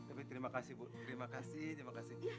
tapi terima kasih bu terima kasih terima kasih